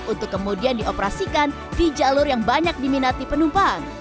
untuk kemudian dioperasikan di jalur yang banyak diminati penumpang